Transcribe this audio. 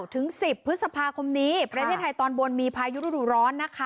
ถึง๑๐พฤษภาคมนี้ประเทศไทยตอนบนมีพายุฤดูร้อนนะคะ